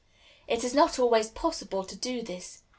It is not always possible to do this.